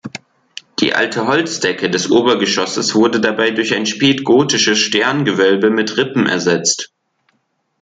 Die alte Holzdecke des Obergeschosses wurde dabei durch ein spätgotisches Sterngewölbe mit Rippen ersetzt.